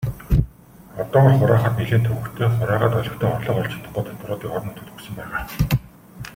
Одоогоор хураахад нэлээн төвөгтэй, хураагаад олигтой орлого болж чадахгүй татваруудыг орон нутагт өгсөн байгаа.